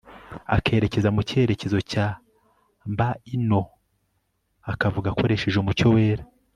akerekeza mu cyerekezo cya mbaino, akavuga akoresheje umucyo wera